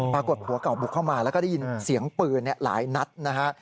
ปรากฏผัวเก่าบุกเข้ามาแล้วก็ได้ยินเสียงปืนหลายนัดนะฮะ